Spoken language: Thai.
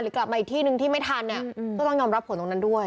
กลับมาอีกที่หนึ่งที่ไม่ทันเนี่ยก็ต้องยอมรับผลตรงนั้นด้วย